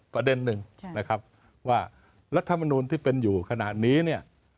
ประเด็นหนึ่งนะครับว่ารัฐมนูลที่เป็นอยู่ขณะนี้เนี่ย